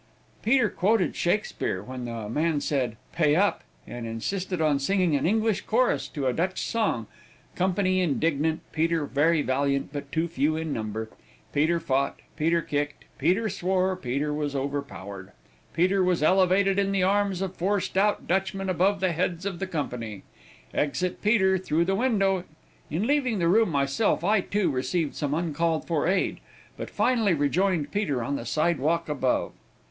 "Peter quoted Shakspeare when the man said "pay up," and insisted on singing an English chorus to a Dutch song; company indignant, Peter very valiant, but too few in number. Peter fought, Peter kicked, Peter swore, Peter was overpowered, Peter was elevated in the arms of four stout Dutchmen above the heads of the company. Exit Peter, through the window. In leaving the room myself, I, too, received some uncalled for aid, but finally rejoined Peter on the sidewalk above.